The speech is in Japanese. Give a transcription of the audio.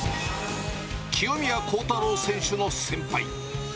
清宮幸太郎選手の先輩。